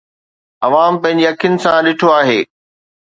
عوام پنهنجي اکين سان ڏٺو آهي.